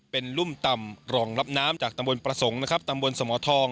เป็นรุ่มต่ำรองรับน้ำจากตำบลประสงค์นะครับตำบลสมทอง